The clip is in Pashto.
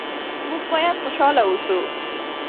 موږ باید خوشحاله اوسو.